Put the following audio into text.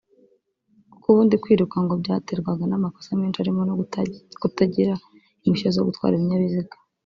kuko ubundi kwiruka ngo byaterwaga n’amakosa menshi arimo no kutagira impushya zo gutwara ibinyabiziga